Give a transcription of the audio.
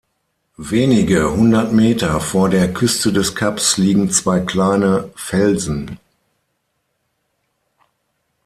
Wenige hundert Meter vor der Küste des Kaps liegen zwei kleine Felsen.